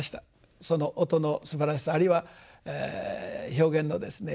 その音のすばらしさあるいは表現のですね